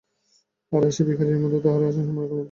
আমরা আসি ভিখারীর মত, তাঁহারা আসেন সম্রাটের মত।